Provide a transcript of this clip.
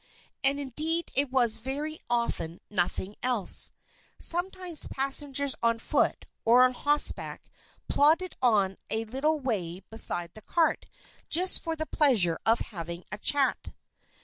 and indeed it was very often nothing else. Sometimes passengers on foot or on horseback plodded on a little way beside the cart just for the pleasure of having a chat.